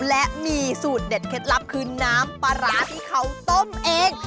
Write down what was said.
และมีสูตรเด็ดเคล็ดลับคือน้ำปลาร้าที่เขาต้มเอง